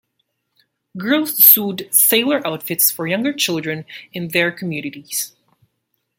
Girls sewed sailor outfits for younger children in their communities.